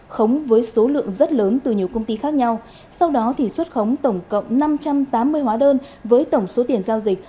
khống với số lượng rất lớn từ nhiều công ty khác nhau sau đó xuất khống tổng cộng năm trăm tám mươi hóa đơn với tổng số tiền giao dịch